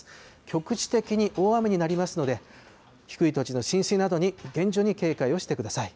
局地的に大雨になりますので、低い土地の浸水などに厳重に警戒をしてください。